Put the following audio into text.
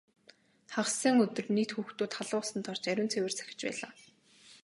Хагас сайн өдөр нийт хүүхдүүд халуун усанд орж ариун цэвэр сахиж байлаа.